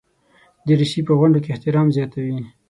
دریشي په غونډو کې احترام زیاتوي.